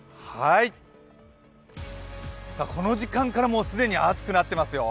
この時間から既に暑くなっていますよ。